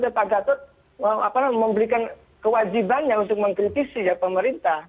dan pak gatot memberikan kewajibannya untuk mengkritisi ya pemerintah